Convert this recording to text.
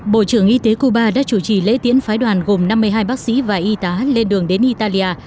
bộ trưởng y tế cuba đã chủ trì lễ tiễn phái đoàn gồm năm mươi hai bác sĩ và y tá lên đường đến italia